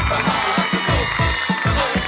เออใช่รถประหาสนุก